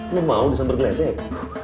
lo mau disamber gelebek